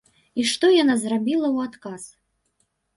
І што яна зрабіла ў адказ?